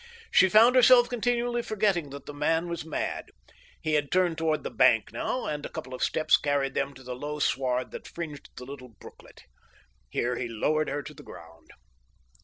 She found herself continually forgetting that the man was mad. He had turned toward the bank now, and a couple of steps carried them to the low sward that fringed the little brooklet. Here he lowered her to the ground.